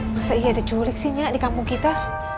masa iya diculik sih nyak di kampung kita